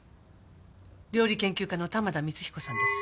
料理研究家の玉田光彦さんです。